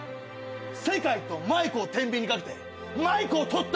世界とマイコをてんびんに掛けてマイコを取った！